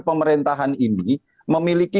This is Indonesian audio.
pemerintahan ini memiliki